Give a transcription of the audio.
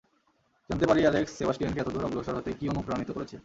জানতে পারি অ্যালেক্স সেবাস্টিয়ানকে এতদূর অগ্রসর হতে কী অনুপ্রাণিত করেছে?